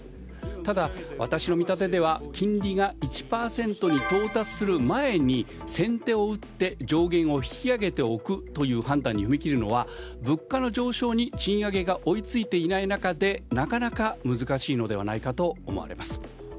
ただ、私の見立てでは金利が１％に到達する前に先手を打って、上限を引き上げておくという判断に踏み切るのは物価の上昇に賃上げが追い付かない中でなかなか難しいのではないかと思われます。